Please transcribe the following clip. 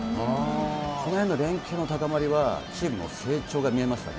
このへんの連係の高まりはチームの成長が見えましたね。